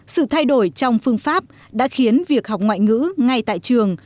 sự thay đổi trong phương pháp đã khiến việc học ngoại ngữ ngay tại trường